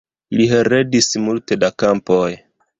Li heredis multe da kampoj.